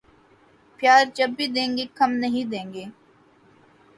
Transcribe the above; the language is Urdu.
پیار جب بھی دینگے کم نہیں دینگے